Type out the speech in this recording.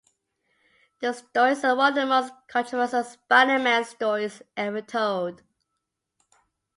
The story is one of the most controversial Spider-Man stories ever told.